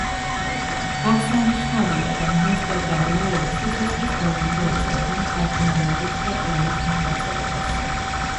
აღსანიშნავია, რომ ნესტორ გაბილაია სიცოცხლის ბოლომდე ეწეოდა მთარგმნელობით და კვლევით მოღვაწობას.